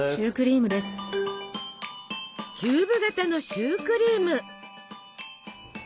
キューブ型のシュークリーム。